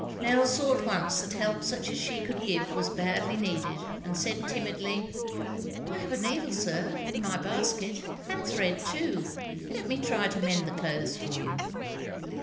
Nell saw at once that help such as she could give was badly needed, and said timidly, "I have a needle, sir, in my basket, and thread too. Let me try to mend the clothes for you."